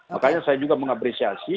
makanya saya juga mengapresiasi